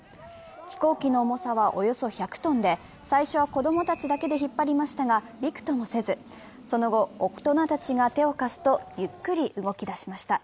飛行機の重さはおよそ１００ｔで、最初は子供たちだけで引っ張りましたが、びくともせず、その後、大人たちが手を貸すとゆっくり動き出しました。